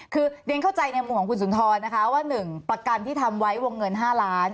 คือเรียนเข้าใจในมุมของคุณสุนทรนะคะว่า๑ประกันที่ทำไว้วงเงิน๕ล้าน